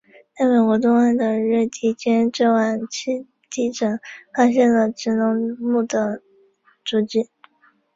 在美国东岸的瑞提阶最晚期地层发现了植龙目的足迹。